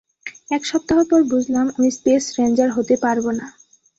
এক সপ্তাহ পর বুঝলাম, আমি স্পেস রেঞ্জার হতে পারবো না।